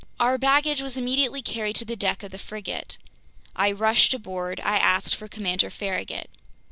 Our baggage was immediately carried to the deck of the frigate. I rushed aboard. I asked for Commander Farragut.